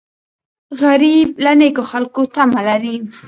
غریب له نیکو خلکو تمه لري